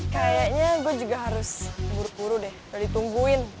kayaknya gue juga harus buru buru deh kalau ditungguin